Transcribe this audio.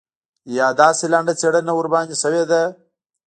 یا داسې لنډه څېړنه ورباندې شوې ده.